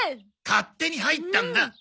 勝手に入ったんだ！